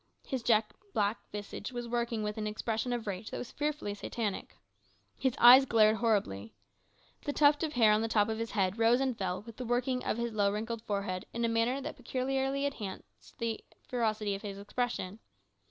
His jet black visage was working with an expression of rage that was fearfully satanic. His eyes glared horribly. The tuft of hair on the top of his head rose and fell with the working of his low wrinkled forehead in a manner that peculiarly enhanced the ferocity of his expression.